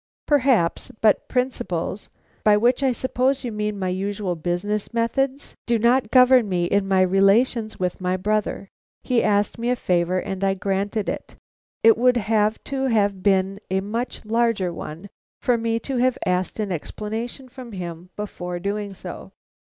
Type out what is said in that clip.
"Perhaps; but principles, by which I suppose you mean my usual business methods, do not govern me in my relations with my brother. He asked me a favor, and I granted it. It would have to have been a much larger one for me to have asked an explanation from him before doing so."